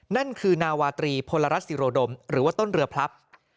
นั่นคือนาวาตรีพลรัฐศิโรดมหรือว่าต้นเรือพลับ